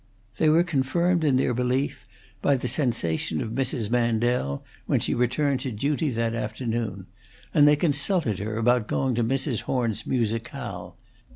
They were confirmed in their belief by the sensation of Mrs. Mandel when she returned to duty that afternoon, and they consulted her about going to Mrs. Horn's musicale.